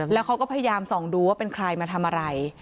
แล้วเขาก็พยายามส่องดูว่าเป็นใครมาทำอะไร